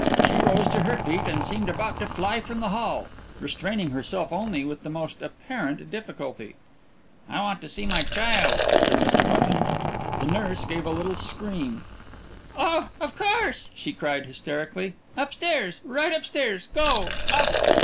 She rose to her feet and seemed about to fly from the hall, restraining herself only with the most apparent difficulty. "I want to see my child," said Mr. Button. The nurse gave a little scream. "Oh of course!" she cried hysterically. "Upstairs. Right upstairs. Go _up!